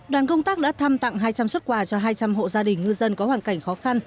đoàn công tác đã thăm tặng hai trăm linh xuất quà cho hai trăm linh hộ gia đình ngư dân có hoàn cảnh khó khăn